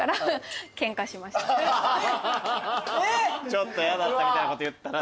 ちょっと嫌だったみたいなこと言ったら。